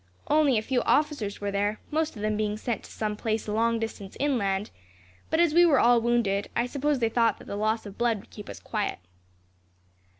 Only a few officers were there, most of them being sent to some place a long distance inland; but, as we were all wounded, I suppose they thought that the loss of blood would keep us quiet.